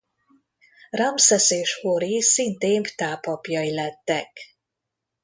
Ramszesz és Hori szintén Ptah papjai lettek.